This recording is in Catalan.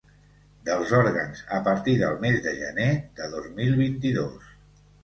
Dels òrgans a partir del mes de gener de dos mil vint-i-dos.